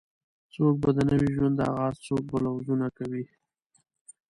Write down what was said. څوک به د نوې ژوند آغاز څوک به لوظونه کوي